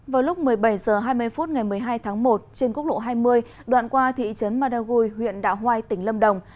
vào lúc một mươi bảy h hai mươi phút ngày một mươi hai tháng một trên quốc lộ hai mươi đoạn qua thị trấn madagui huyện đạo hoai tỉnh lâm đồng